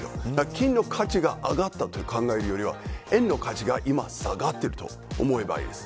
金の価値が上がったというよりは円の価値が今下がっていると思えばいいです。